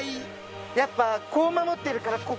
やっぱこう守ってるから。